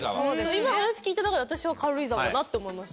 今話聞いた中で私は軽井沢だなって思いました。